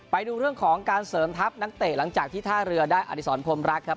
ไปดูเรื่องของการเสริมทัพนักเตะหลังจากที่ท่าเรือได้อธิษรพรมรักครับ